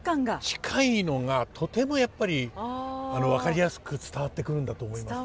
近いのがとてもやっぱり分かりやすく伝わってくるんだと思いますね。